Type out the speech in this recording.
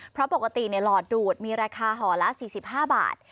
เพราะปกติหลอดดูดมีราคาห่อละ๔๕บาท